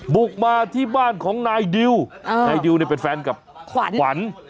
บุกมาที่บ้านของนายดิวนายดิวเนี่ยเป็นแฟนกับขวัญขวัญ